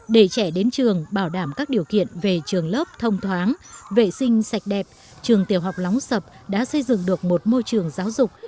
để trẻ đến trường bảo đảm các điều kiện về trường lớp thông thoáng vệ sinh sạch đẹp trường tiểu học lóng sập đã xây dựng được một môi trường giáo dục